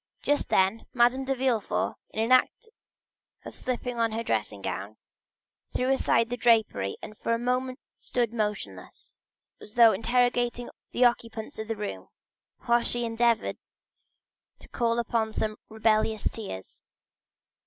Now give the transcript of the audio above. Just then, Madame de Villefort, in the act of slipping on her dressing gown, threw aside the drapery and for a moment stood motionless, as though interrogating the occupants of the room, while she endeavored to call up some rebellious tears.